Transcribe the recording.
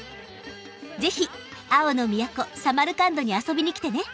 ぜひ「青の都・サマルカンド」に遊びに来てね。